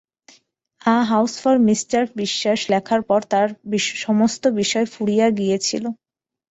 A house for mister Biswas লেখার পর তাঁর সমস্ত বিষয় ফুরিয়ে গিয়েছিল।